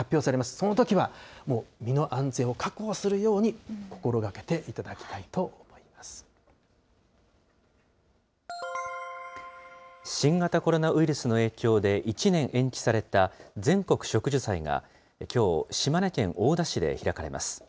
そのときは身の安全を確保するように心がけていただきたいと思い新型コロナウイルスの影響で、１年延期された、全国植樹祭がきょう、島根県大田市で開かれます。